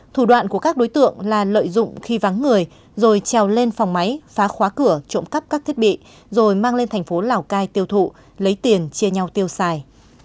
thủ đoạn của các đối tượng là lợi dụng khi vắng người rồi trèo lên phòng máy phá khóa cửa trộm cắp các thiết bị rồi mang lên thành phố lào cai tiêu thụ lấy tiền chia nhau tiêu xài